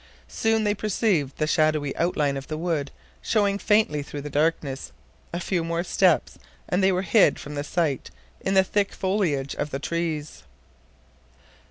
Soon they perceived the shadowy outline of the wood showing faintly through the darkness. A few steps more and they were hid from sight in the thick foliage of the trees.